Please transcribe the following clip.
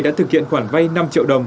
đã thực hiện khoản vay năm triệu đồng